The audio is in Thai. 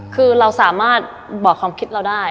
คือเราสามารถบอกความคิดเราได้